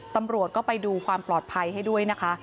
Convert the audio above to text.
ตำรวจก็ไปดูความปลอดภัยให้ด้วยนะคะ